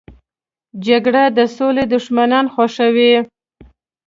جګړه د سولې دښمنان خوښوي